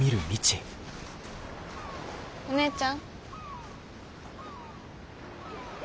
お姉ちゃん。